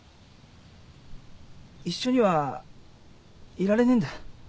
一緒にはいられねえんだ。